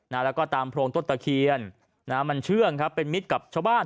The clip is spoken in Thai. แล้วก็ตามโพรงต้นตะเคียนนะฮะมันเชื่องครับเป็นมิตรกับชาวบ้าน